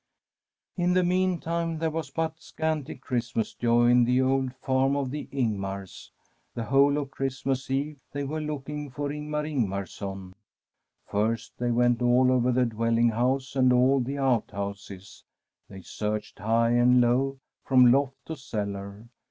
, In the meantime there was but scanty Christ mas joy in the old farm of the Ingmars. The whole of Christmas eve they were looking for Ingmar Ingmarson. First they went all over the dwelling house and all the outhouses. They searched high and low, from loft to cellar.